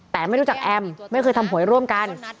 แต่ไม่รู้จักแอมไม่เคยทำหวยร่วมกัน